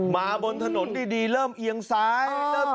บนถนนดีเริ่มเอียงซ้าย